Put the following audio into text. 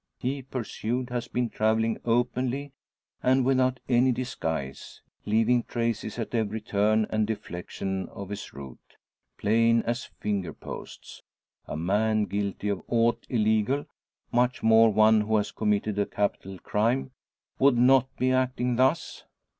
He pursued, has been travelling openly and without any disguise, leaving traces at every turn and deflection of his route, plain as fingerposts! A man guilty of aught illegal much more one who has committed a capital crime would not be acting thus?